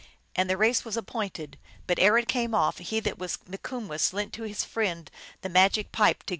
And the race was appointed ; but ere it came off he that was Mikumwess lent to his friend the magic pipe to give him power.